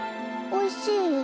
おいしい。